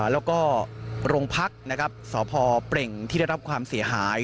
แล้วก็โรงพักนะครับสพเปล่งที่ได้รับความเสียหาย